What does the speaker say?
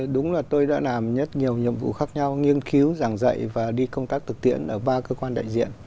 đúng là tôi đã làm rất nhiều nhiệm vụ khác nhau nghiên cứu giảng dạy và đi công tác thực tiễn ở ba cơ quan đại diện